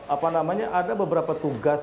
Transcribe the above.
apa namanya ada beberapa tugas